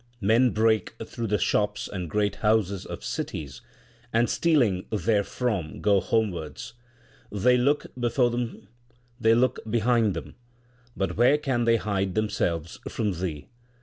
Men break through the shops and great houses of cities and stealing therefrom go homewards. They look before them, they look behind them, but where can they hide themselves from Thee